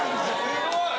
すごい！